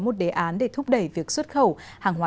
một đề án để thúc đẩy việc xuất khẩu hàng hóa